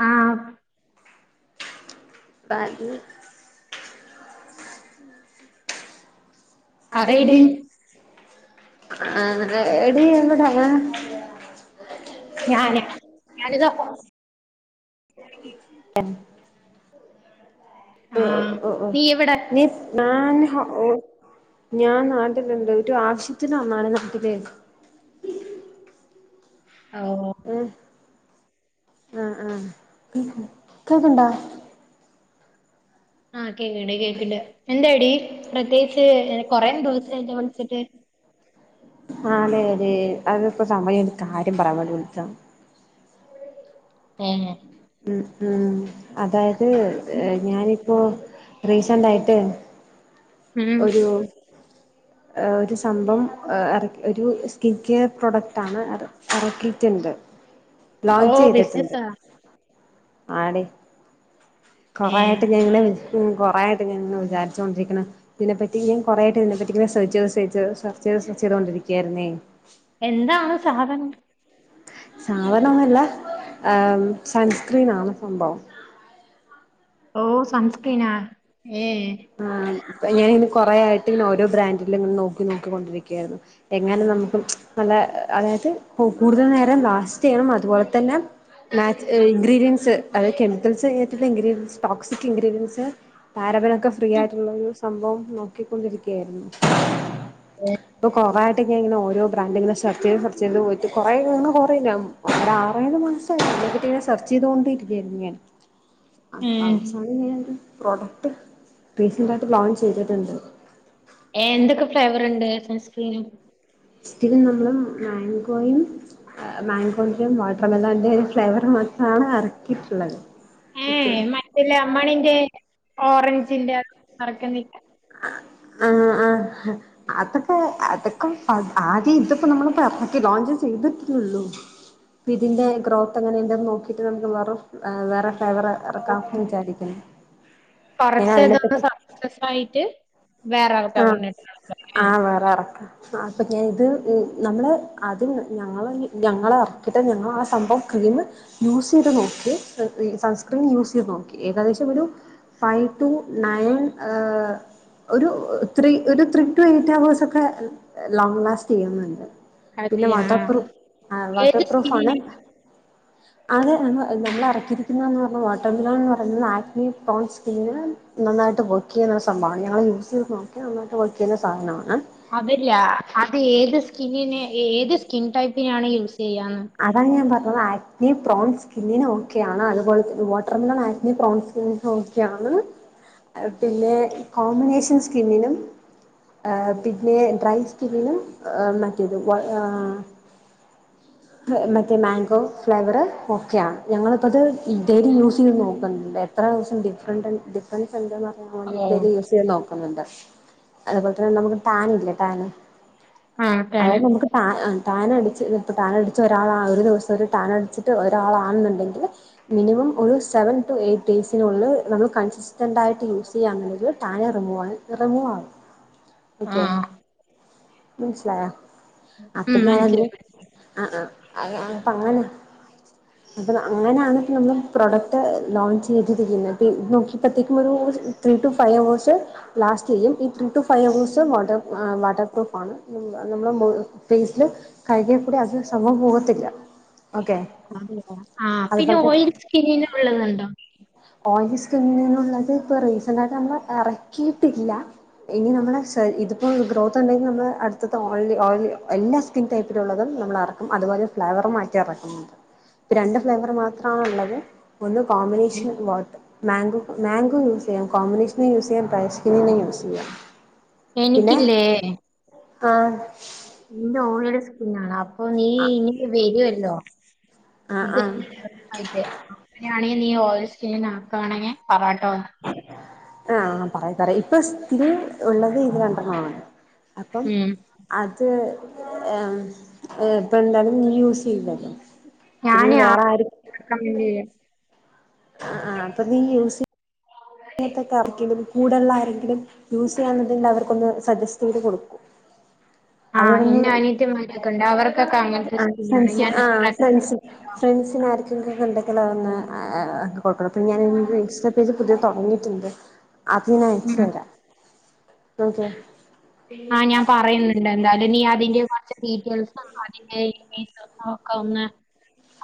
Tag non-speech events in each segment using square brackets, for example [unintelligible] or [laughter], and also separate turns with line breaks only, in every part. ആ
ബാഗ് അതേടി
പറയെടി
ആ എടി എന്താ കഥ
ഞാന് ഞാനിതാ
എ ഓ
ആഹ്
ഓ
നീ എവിടെ
നി നാൻ ഓ ഞാൻ നാട്ടിലണ്ട് ഒരു ആവശ്യത്തിന് വന്നാണ് നാട്ടിലേ
ആ
ഏ ആ ആ കേക്കണ്ടോ
ആ കേ കേക്കിണ്ട് എന്താടി പ്രത്യേകിച്ച് കൊറെേ ദിവസായില്ല വിളിച്ചിട്ട്
ആതെ അതെ അതൊപ്പോ സമയം കാര്യം പറയാൻ വേണ്ടി വിളിച്ചാ
ഏഹ്
ഉ ഉം അതായത് ഞാനി പ്പോ റീസെന്റ് ആയിട്ട്
ഉം
ഒരു ഒരു സംഭവം എറ ഒരു സ്കിൻ കെയർ പ്രോഡക്റ്റ് ആണ് അത് ഇറക്കിട്ടുണ്ട്
ഓ ബിസിനസാ
ആടി
ഏഹ്
കൊറോയിട്ട് ഞങ്ങള് കൊറേആയിട് ഞ വിചാരിച്ചൊണ്ടിരിക്ക പിന്നെ ഇതിനെപ്പറ്റി ഞാൻ കുറൊയിട്ട് ഇതിനെ പറ്റിയും കൊറേക്കെ ഇത്‌നെ പറ്റിം സേച് ചെയ്ത് സേച് സെർചെയ്ത് സെർചെയ്തോണ്ടിരിക്കുവായിരുന്നേ
എന്താണ് സാധനം
സാധനന്നുല്ല സൺസ്ക്രീൻ ആണ സംഭവം
ഓ സൺസ്‌ക്രീന
ആ ഞാന കൊറ ആായിട്ട് ഇ ഓരോ ബ്രാൻഡ് എല്ലാങ്ങനെ നോക്കി നോക്കിക്കൊണ്ടിരിക്കാ യിരുന്നു എങ്ങനെ നമുക്കും നല്ല അതായത് ഓ കൂടുതൽ നേരം ലാസ്റ്റ്യ്യണം അതുപോലെ തന്നെ ഇൻഗ്രീഡിയൻസ് അതത് കെമിക്കൽസ്ട്ടുള്ള ഇൻഗ്രീഡിയൻസ് ടോക്സിക് ഇൻഗ്രീഡിയൻറ്സ് പാരപരാക് ഫ്രീ ആയിട്ടുള്ള ഒരു സംഭവം നോക്കിക്കൊണ്ടിരിക്കുക ഇപ്പ കോവ ങ്ങനെ ഓരോ ബ്രാൻഡ് ഇങ്ങനെ സെർ ചെയ്ത് സെർ ചെയ്ത് പോയിട്ട കുറേ കുറല്ല ആർ മാസായിട്ട് സെർച്ച് ചെയ്തുകൊണ്ടിരിക്കയായിരുന്നു ഞാൻ ആ
ഉം
അപ്പോ
ഏ,
അവസാനിന്ന് പ്രോഡക്റ്റ് റീ സെൻറ് ആയിട്ട് ലോൺ ചെയ്തിട്ടുണ്ട്
ഏന്തൊക്കെ ഫ്ലേവർ ഉണ്ട് സൺസ്ക്രീൻ
റ്റും നമ്മള് മാങ്കോയും മാങ്കോന്റെയും വാട്ടർമെലന്റെയും ഒരു ഫ്ലേവർ മാത്രമാണ് ഇറക്കിയിട്ടുള്ളത്
ഏഹ്
ഓക്കെ
മറ്റുള്ള അമ്മണിന്റെ ഓറഞ്ചിന്റെ അറക്കുന്നില്ല
ആഹ ആഹ അതൊക്കെ അതൊ ആദ്യം ഇത്പ്പം നമ്മൾ ഇപ്പൊ ലോഞ്ചിങ് ചെയ്തിട്ടള്ളു ഇതിന്റെ ഗ്രോത്ത് എങ്ങനെ ഇണ്ട് നോക്കി ഇത് നമുക്ക് വെറും- വേറെ ഫ്ലേവർ എറാക്കാം വിചാരിക്കുന്നു ഞാൻ
കുറച്ച് ഇതൊന്ന്
അതിനെപ്പറ്റി
സക്സസ് ആയിട്ട് വേറെ ആൾക്കാ
ആഹ്
പറഞ്ഞിട്ടാണ്
ആ വേറെ ആർക്ക- അപ്പൊ ഞാൻ ഇത് നമ്മള് അത് ഞങ്ങൾ ഞങ്ങളെ അറക്കിട്ട് ഞങ്ങൾ ആ സംഭവം ക്രീമ് യൂസ് ചെയ്ത് നോക്കി ഈ സൺസ്ക്രീൻ യൂസ് ചെയ്ത് നോക്കി ഏകദേശം ഒരു ഫൈവ് ടു ണയൻ ഏഹ് ഒരു ത്രീ ഒരു ത്രീ ടു എയ്റ്റ് ഹവേഴ്സ് ഒക്കെ ലോങ്ങ് ലാസ്റ്റ് ചെയ്യുന്നുണ്ട് പിന്നെ
അതെ ആഹ്
വാട്ടർപ്രൂ ആ
ഏത്
വാട്ടർപ്രൂഫ് ആണ്
സ്കിന്നിന്
അത നമ്മൾറക്കിരിക്കുന്നന്ന് പറഞ്ഞ ഓട്ടോമിലോ എന്ന് പറയുന്നത് ആക്നി പ്രോൺ സ്കി നന്നായിട്ട് വർക്ക് ചെയ്യുന്ന സംഭവമാണ് ഞ യൂസ് നോക്കി നന്നായിട്ട് വർക്ക് ചെയുന്ന സാധനമാണ്-
അതല്ല അത് ഏത് സ്കിന്നന് ഏത് സ്കിൻ ടൈപ്പിനാണ് യൂസ് ചെയ്യാന്ന്
അതങ് ഞാൻ പറഞ്ഞ ആ നീ പ്രോൺസ് കിന്നിന് ഓക്കെ ആണ് അതുപോലെ വാട്ടർമെല ആ നീ പ്രോൺസ് കി ഓക്കൊണ് പിന്നെ കോമ്പിനേഷൻ സ്കിന്നിനും ആ പിന്നെ ഡ്രൈ സ്കിന്നിനും ആ ന ഇത് വ ആ മറ്റേ മാങ്കോ ഫ്ലേവറ് ഓക്കെയ ഞങ്ങളിപ്പോൾത് ഡെയിലി യൂസ് ചെയ്ത് നോക്കുന്നുണ്ട് എത്ര ദിവസം ഡിഫറൻറ് ഡിഫറെൻറ് എന്തെന്ന് പറയാൻ വേണ്ടി
ഓ
ഡെയിലി യൂസ് ചെയ്യുന്നോക് അന്താ അതുപോലെ തന്നെ നമുക്ക് പാനില്ലേ? പാന്-
ആഹ് ടാന്
ആയത് നമുക്ക് പാ ആ- ടാന അടച്ച് ഇപ്പ ടാൻ- രാ ഒരു ദിവസം ടൻ അടിച്ചട്ട് ഒരാളാണെന്നുണ്ടെങ്കിൽ മിനിമം ഒരു സെവൻ ടു എയ്റ്റ് ഡേസിനുളളിൽ നമ്മ കൻസ ഇൻസ്റ്റൻറായിട്ട് യൂസ് ചെയ്യുക എന്നുള്ളെങ്കിൽ ടാന് രമായി റിമൂവാവും- ഓക്കെ
ആഹ്
മനസിലായോ അപ്പ
ഉം
ഞാന
മനസ്സിലായി
ആ അപ്പ അങ്ങനെ അപ്പൊ അങ്ങനെയണപ്പോ നമ്മള് പ്രോഡക്റ്റ് ലോഞ്ചയ്തിരിക്ക്ന്നേ പി ഇത് നോക്കിയപ്പോയത്തേക്കും ഒരു ത്രീ ടു ഫൈവ് ഹവേഴ്സ് ലാസ്‌റ്റെയ്യും. ഈ three to five hours water വാട്ടർപ്രൂഫാണ് നമ്മടെ മോ ഫേസില് കാഴ്കിയാകൂടെ അ
ആ പിന്നെ
അതുപോലത്തെ
ഓയ്ല് സ്കിന്നിന് ഉള്ളത്ണ്ടോ ആ
ഓയിൽ സ്കിമ്മുള്ളത് ഇപ്പോൾ ഓയിലി സ്കിനിന്നുള്ളത് ഇപ്പൊ റീസന്റായിട്ട് നമ്മൾ ഇറക്കിയിട്ടില്ല ഇനി നമ്മള് ശെ ഇത്പ്പോ ഗ്രോ ത്ത്ണ്ടെങ്കി നമ്മള് അട്ത്ത ഓയിലി ഓയില് എല്ലാ സ്കിൻ ടൈപ്പിലുള്ളതും നമ്മൾ എറക്കും അത്പോലെ ഫ്ലേവർ മാറ്റി എറക്കും ഇ രണ്ട് ഫ്ലേവർ മാത്രമാണ്ള്ളത് ഒന്ന് കോമ്പിനേഷൻ വാട്ട് മേഗ്‌ മാൻഗോ യൂസെയ്യാം കോമ്പിനേഷന് യൂസെയ്യാം ബ്രെയ് സ്കിനിനും യൂസെയ്യാം യ്യാ
എനിക്കില്ലേ
ആ
നിന്റെ ഓയിൽ സ്‌കിനണോ അപ്പൊ നീ ഇനി വരുവല്ലോ
ആ ആ
[unintelligible] അങ്ങനാണെ ഓയിലി സ്കിൻ ആക്കണെങ്കി പറാ ആ
ആ പറയാം പറയ് ഈ സ്കിൻ ഉള്ളത് ഇത് രണ്ടെണ്ണാണ് അപ്പം
ഉം
അത് ഏ ഏഹ് ഇപ്പന്തായാലും നീ യൂസ്യ്തല്ലേ
ഞാന് ആ [inaudible] ആക്കാൻ വേണ്ടിവേരാ
ആ ആ അപ്പൊ നീ യൂസയ് [unintelligible] കറക്കിലും കൂടെള്ള ആരെങ്കിലും യൂസ് ചെയ്യഞ്ഞിട്ട്ണ്ടേ അവർക്കൊന്ന് സജസ്റ്റ് ചെയ്ത് കൊടുക്കും
ആ
അവിട്ന്ന്
എന്റെ അനിയത്തിമാരൊക്കെ ഉണ്ട് അവർക്കൊക്കെ അങ്ങനത്തെ
ആ
സ്കീമാണ്
ഫ്രണ്ട്സ്
ഞാൻ
ആ ഫ്രണ്ട്സ് ഫ്രണ്ട്സിനാര് ങ്കില്ണ്ടെങ്കി അതൊന്ന് ഏ കൊട്ക്കണം അപ്പം ഞാനിന്ന് ഇൻസ്റ്റാപേജ് പുതിയ തോടങ്ങി തെ
ഉം
അത്ഞയ്ച്ചേരാം
ആ ഞാൻ പറയ്ന്ന്ണ്ട്ന്താലും നീ അതിന്റെ കൊറച്ച് ഡീറ്റെയിൽസും അതിന്റെ [unintelligible] ഓക്കെന്ന്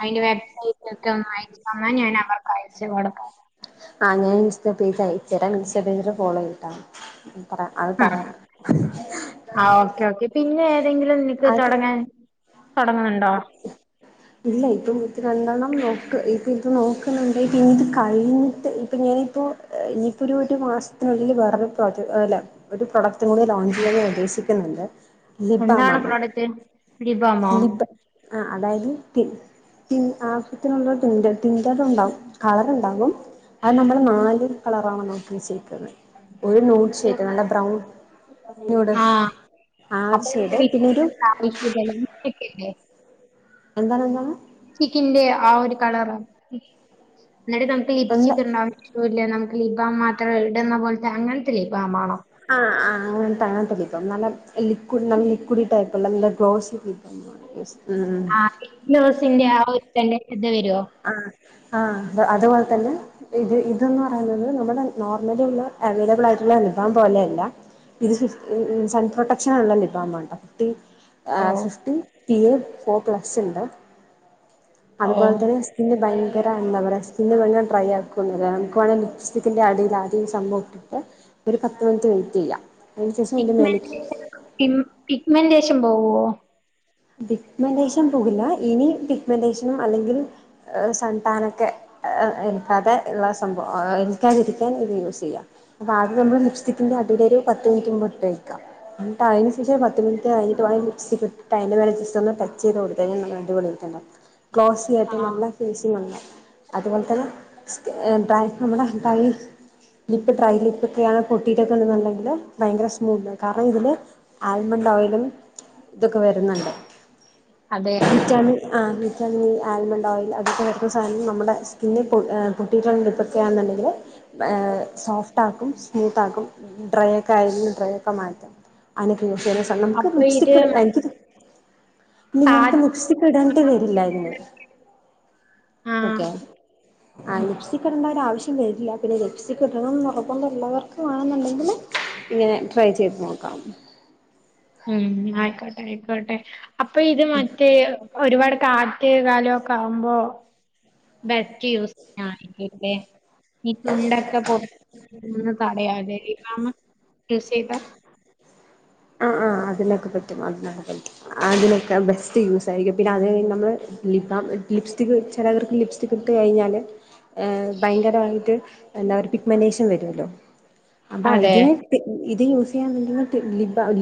അതിന്റെ വെബ്സൈറ്റൊക്കെ ഒന്നയച്ച്തന്നാ ഞാൻ അവർക്ക് അയച്ച് കൊടുക്കാം
ആഹ് ഞാൻ ഇൻസ്റ്റാപേജ് അയച്ചേരാം ഇൻസ്റ്റാപേജില് ഫോളോയ്ത്ട്ടാമ
ആ ആ ഓക്കെ ഓക്കെ പിന്നെ ങ്കിലും നിക്ക്
അത്
തുടങ്ങാൻ തുടങ്ങുന്നുണ്ടോ
ഇല്ല ഇപ്പൊ ഇത്തി രണ്ടെണ്ണം നോക്ക് ഇപ്പ ഇത് നോക്കുന്നുണ്ടായിട്ട് ഇനി ഇത് കഴിഞ്ഞിട്ട് ഇപ്പൊ ഞാനിപ്പോ ഇനിയിപ്പോ ഒരു ഒരു മാസ- തിനുള്ളിൽ വേറെ പ്രോജ അല്ലേ ഒരു പ്രൊഡക്റ്റ് ഇത് മൂന്ന് ഓൺ ചെയ്യാൻ ഞാൻ ഉദ്ദേശിക്കുന്നുണ്ട്
എന്താണ് പ്രോഡക്റ്റ് ഇ
ലിബാ- ആ അതായത് തിൻ തിൻ ആവശ്യത്തിനുള്ള തിൻ് തിന്റെർ ഉണ്ടാവും കളർ ഉണ്ടാകും അത് നമ്മള് നാല് കളറാണെന്നോ നിച്ഛയിക്കുന്ന ഒരു നോട്ട് ചെയ്ത് കാണ്ട് ബ്രൗൺ നോട്
ആ
ആഷ് ചെയ്തു പിന്നൊരു
കേക്ക് ഇല്ലേ
എന്താണ് എന്താണ്
ചിക്കിന്റെ ആ ഒര കളർ ഇന്നട്ട് നമ്മക്ക്
എന്താ
ലിപ്സ്റ്റിക്ക് ഇടണം [unintelligible] നമ് ലിപ്പ് ബാം മാത്രം ഇടുന്ന പോൽത്തെ അങ്ങനത്തെ ലിപ്പ്ബാമാണോ
ആഹ് ആ അങ്ങൻത്തെ അങ്ങൻ ത്തെ ലിപ്പ് ബാം നല്ല ലിക്കുഡ് നം ലിക്കുഡി ടൈ കൊണ്ട് നല്ല ഗോസി
ആ [unintelligible] ആ ഒര് [unintelligible] വരോ
ആ ആ അതുപോലെ തന്നെ ഇത് ഇത് ന്ന് പറയുന്നത് നമ്മുടെ നോർമലി ഉള്ള അവൈലബിൾ ആയിട്ടുള്ള ലിപ്പ് ബാം പോലെ അല്ല ഇത് ഇ സൺ പ്രൊട്ടക്ഷൻ ഉള്ള ലിപ്പ് ബാം ആണ് ട്ടോ തേ ആഹ് സൃഷ്ടി പി എഫ് ഫോർ പ്ലസ് ഇണ്ട് അതുപോലെ തന്നെ ഭയങ്കര അൺ [unintelligible] ഞ്ഞാ ട്രൈ ആ ക്കൊന്നൊല്ല നമക്ക് വേണേ ലിപ്പ്സ് റ്റിക്കിൻന്റെ അടിൽ ആദ്യം ഈ സംഭവട്ടിട്ട് ഒരു പത്ത് മിനിറ്റ് വെയിറ്റ് ചെയ്യാം അയിന് ശേഷം അതിന്റെ മേലെക്ക്
മേന്റെഷൻ പോവോ
പിഗ് മെന്റേഷൻ പോകില്ല ഇനി പിഗ് മെന്റേഷനും അല്ലെങ്കിൽ സന്താനൊക്കെ ഏ എട്ക്കാതെ ഇള്ള സംഭവം ഏ ക്കാതിരിക്കാൻ ഇത് യൂസ് ചെയ്യാ അപ്പം ആദ്യം നമ്മൾ ലിപ് റ്റിക്കിന്റെ അടിൽ ഒരു പത്ത് മിനിറ്റ് മുമ്പ് ഇട്ട് വെക്കാം ഇന്നട്ട് അയ് അ [unintelligible] പത്ത് മിനിട്ട് കഴിഞ്ഞിട്ട് വേണം ലിപ്സ് ട്ട് അയിന്റെ മേലെ ജസ്റ്റ് ഒന്ന് ടച്ച് ചെയ്ത് കൊട് ത്ത് കഴിഞ്ഞാ നല്ല അടിപൊളി ആയിട്ട് ഇണ്ടാവും ക്ലോസി
ആ
ആയിട്ട് നമ്മളെ ഫേസിംഗ് ഉണ്ടാവും അതുപോലെ തന്നെ സ് ഡ്രൈ നമ്മളെ ഡൈസ് ലിപ്പ് ഡ്രൈ ലിപ്പ് ഒക്കെയാണ് പൊട്ടീട്ടൊക്കെയാണ് ഇണ്ട്ന്നെങ്കി ഭയങ്കര സ്മൂ ഇണ്ട് കാരണം ഇതില് ആൽമണ്ട് ഓയിലും തൊക്കെ വെര്ന്ന്ണ്ട്
അതെ
വിറ്റാമിൻ ആ വിറ്റാമിൻ ഇ ആൽമണ്ട് ഓയിൽ അതൊക്കെ വെരുന്ന സധനം നമ്മുടെ സ്ക്കിന്ന് പൊട് പൊട്ടിയിട്ട് ലിപ്പൊക്കെ പൊട്ടിട്ടാന്നുണ്ടെങ്കിൽ ഏ സോഫ്റ്റാകും സ്മൂത്താക്കും ഡ്രയൊക്കെ ആയി ഡ്രൈ ഒക്ക മാറ്റം അന [unintelligible] കാരണം ൻക്ക്
അപ്പൊ
ലിപ്സ്റ്റിക്
ഇത്
നിന്നാക്ക്‌
താജ്
ലിപ്സ്റ്റിക്കിടാണ് വരില്ലായിരുന്ന്
ആ
ഓക്കെ ആ
ഉം
ലിപ്സ്റ്റിക്കിടണ്ട ഒരാവശ്യം വരില്ല പിന്നെ ലിപ്സ്റ്റിക്കിടണംന്ന് നിർബന്ധം ള്ളവർക്ക് വേണോന്നുണ്ടെങ്കിൽ ഇങ്ങനെ ട്രൈചെയ്ത് നോക്കാം
ഉം ആയിക്കോട്ടെ ആയിക്കോട്ടെ അപ്പൊ ഇത് മറ്റേ ഒരുപാട് കാറ്റ് കാലമൊക്കെ ആകുമ്പോ ബെസ്റ്റ് യൂസിങ് ആണെങ്കി തെ ഈ തുണ്ടൊക്കെ പൊറത്തന്ന് തടയാതെപ്പമ്മ യൂസ് ചെയ്താ
ആ ആ അതിനൊക്കെ പറ്റും അതിനൊക്കെ പറ്റും അതിനൊക്കെ ബെസ്റ്റ് യൂസ് ആയിരിക്കും പിന്നെ അത്കഴിഞ്ഞ് നമ്മള് ലിപ് ബാം ലിപ്സ്റ്റിക് ചിലവർക്ക് ലിപ്സ്റ്റിക് ഇട്ട് കഴിഞ്ഞാൽ ഭയങ്കരമായിട്ട് എന്താ ഒരു പിക്മന്റേഷൻ വരുമല്ലോ അബാ
അതെ
ഇതിനെ പി ഇത് യൂസ് ചെയ്യാൻ [unintelligible] lip balm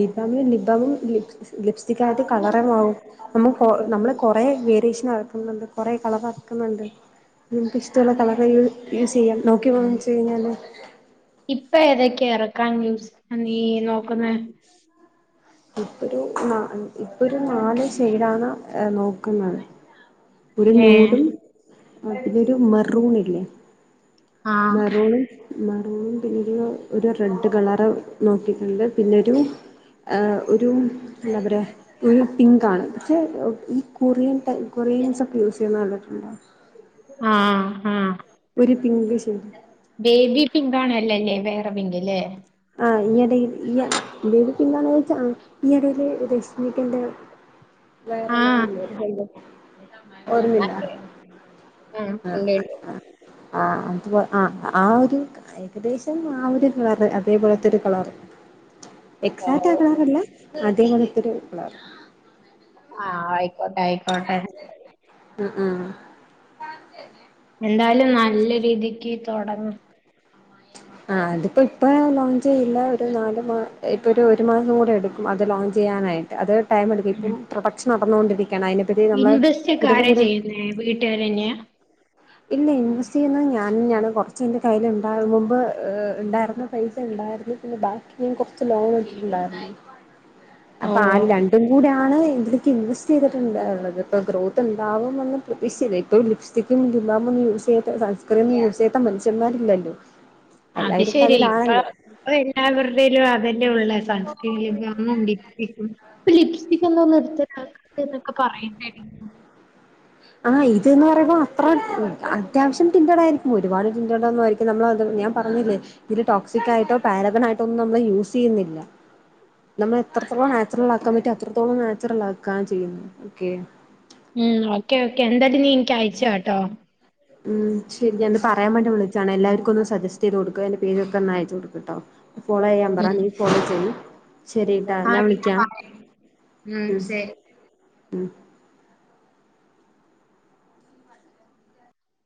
lip balm lips lipstick ആയിട്ട് കളറങ്ങാവും നമ്മ നമ്മള് കൊറെ ഡീഷനാക്കുന്നുണ്ട് കുറെ കളറാക്കുന്നുണ്ട് നമുക്ക് ഇഷ്ടുള്ള കളറെ യു യൂസ് ചെയ്യാം നോക്കി വാങ്ങിച്ച തെഞ്ഞല്ലേ
ഇപ്പൊ ഏതക്കെ ഇറക്കാൻ ന്യൂസ് നീ നോക്കുന്നേ
ഇപ്പൊരു ന്ന ഇപ്പൊരു നാല് ശൈഡാണ ഏഹ് നോക്കുന്നത്. ഒരു
ഏ
നൂടും ആ പിന്നൊരു മറൂണി ല്ലെ
ആഹ്
മെറൂൺ മാ [unintelligible] ഒര് റെഡ് കളറ് നോക്കിക്ക് ല്ലെ പിന്നൊരു ഏഹ് ഒരും എന്താ പറയാ ഒരു പിങ്കാണ് പക്ഷേ ഈ കൊറിയൻ ടൈ കൊറിയൻസൊക്കെ യൂസെയ്യുന്ന കണ്ടിട്ടുണ്ടോ?
ആഹ് ആഹ്
ഒരു പിങ്ക് ഷെയ്ഡ്
ബേബി പിങ്കാണ് ഇല്ലല്ലേ വേറെ പിങ്ക് ല്ലേ
ആ ഈയടെ ഈ യ ബേബി പിങ്കാണോച്ചാ ആ ഈയടെല് രശ്മിക്കന്റെ
ആഹ്
വെറെ [unintelligible] ഓർമില്ല
അതെ ഉണ്ട്
ആഹ്
ഉണ്ട്
ആഹ് അതു ആഹ് ആ ഒര് ഏകദേശം ആ ഒരു [unintelligible] അതേ പോലത്തൊരു കളറ്
ഓ
എക്സാറ്റ് ആകാറില്ല അതേപോലെത്തൊരു കളർ
ആഹ് ആയി ക്കോട്ടെ ആയിക്കോട്ടെ
ആഹ്‌ ആഹ്
എന്തായാലും നല്ല രീതിക്ക് തൊടങ്ങ്
ആ അതിപ്പോ ഇപ്പോ ലോഞ്ച് ചെയില്ല ഒരു നാല മാ ഇപ്പോ ഒരു മാസം കൂടെ എടുക്കും അത് ലോഞ്ച് ചെയ്യാനായിട്ട് അത് ടൈം എടുക്കും ഇപ്പം പ്രൊഡക്ഷ നടന്നുകൊണ്ട്
ഇൻവെസ്റ്റ്ക്കാരാ ചെയ്യുന്നേ വീട്ടുകാര് തന്നെയാ
ഇല്ല ഇൻവെസ്റ്റ് ചെയ്യുന്നത് ഞാഞെയാണ് കൊറച്ച് എന്റെ കയ്യിലുണ്ടാകും മുമ്പ് ഏഹ് ഇണ്ടായിരുന്നു പൈസ ഇണ്ടായിരുന്നു പിന്നെ ബാക്കി ഞാൻ കൊറച്ച് ലോൺ എടുത്തിട്ടുണ്ടാരുന്നു അപ്പോ ആ
ഓ
രണ്ടും കൂടെ ആണ് എങ്കില് [unintelligible] ചെയ്തിട്ടുണ്ടുള്ളത് ഇപ്പോ ഗ്രോത്ത് ഇണ്ടാവുമന്ന് പ്രതീക്ഷ ഇപ്പോ ലിപ്സ്റ്റിക്കും ലിബാം ഒന്നും യൂസ് ചെയ്യാത്ത സൺസ്ക്രീനൊന്നും യൂസ് ചെയ്യാത്ത മനുഷ്യന്മാരില്ലല്ലോ
അത്
എല്ലാവരും
ശെരിയാ ഇപ്പ
അതിലാണല്ലോ
ഇപ്പ എല്ലാവർടേലും അതന്നെ ഒള്ളേ [unintelligible] ഇപ്പോ ലിപ്സ്റ്റിക്ക് ഒ ന്നും നിർ [unintelligible] എന്നൊക്കെ പറയണ്ടാരുന്നു
ആഹ് ഇത് ന് പറയുമ്പോ അത്ര അത്യാവശ്യം ടിൻറ്റടാരിക്കും ഒരുപാട് [unintelligible] ഒന്നും ആയിരിക്കും നമ്മൾത് ഞാൻ പറഞ്ഞില്ലേ ഇതില് ടോക്സിക് ആയിട്ടോ പാരബൻ ആയിട്ടോ ഒന്നും നമ്മള് യൂസ് ചെയ്യുന്നില്ല നമ്മളെത്രത്തോളം നാച്ചുറലാക്കാൻ പറ്റ അത്രത്തോളം നാച്ചുറലാ ക്കാൻ ചെയ്യുന്നു ഓക്കെ
ഉംഹ് ഓക്കേ ഓക്കേ എന്തായാലും നീ ഇൻക്ക് അയച്ചാട്ടോ
ഉംഹ് ശരി ഞാ ത് പറയാൻ വേണ്ടി വിളച്ചാണെ എല്ലാവരും ക്കൊന്ന് സജസ് റ്റെയ്തൊട്ക്ക അയ്ന്റെ പേരക്കൊന്നയച്ചൊട് ക് ട്ടോ ഫോളെയ്യാൻ പറ
ഉം
നീ ഫോളോ ചെയ് ശെരിട്ടാ ഞാൻ
ആഹ്
വിളിക്കാ
പറയാം ഉം
ഉംഹ്
ശരി
ഉംഹ്